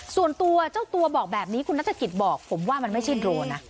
ส่วนตัวเจ้าตัวบอกแบบนี้คุณนัฐกิจบอกผมว่ามันไม่ใช่โดรนนะ